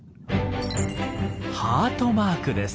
ハートマークです！